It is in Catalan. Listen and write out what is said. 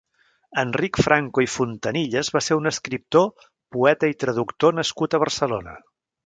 Enric Franco i Fontanillas va ser un escriptor, poeta i traductor nascut a Barcelona.